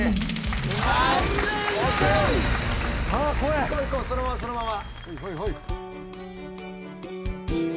いこういこうそのままそのまま。